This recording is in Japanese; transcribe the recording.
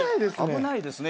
「危ないですね」